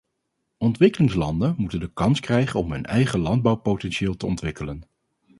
Ontwikkelingslanden moeten de kans krijgen om hun eigen landbouwpotentieel te ontwikkelen.